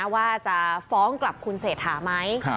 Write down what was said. ว่าจะฟ้องกลับคุณเศรษฐาไหม